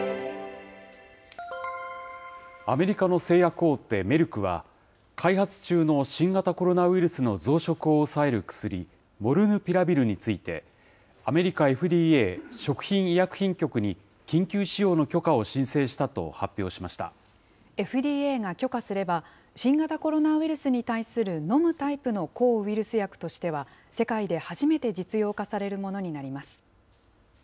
アメリカの製薬大手メルクは、開発中の新型コロナウイルスの増殖を抑える薬、モルヌピラビルについて、アメリカＦＤＡ・食品医薬品局に緊急使用の許可を申請したと発表ＦＤＡが許可すれば、新型コロナウイルスに対する飲むタイプの抗ウイルス薬としては、世界で初めて実用化されるものになります。